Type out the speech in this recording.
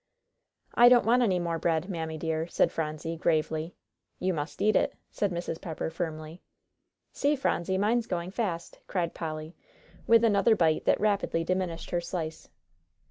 "I don't want any more bread, Mammy dear," said Phronsie, gravely. "You must eat it," said Mrs. Pepper, firmly. "See, Phronsie, mine's going fast," cried Polly, with another bite that rapidly diminished her slice.